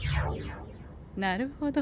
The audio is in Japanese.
なるほど。